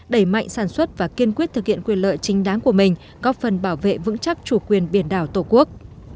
đẩy mạnh sản xuất và kiên quyết thực hiện quyền lợi chính đáng của mình góp phần bảo vệ vững chắc chủ quyền biển đảo tổ quốc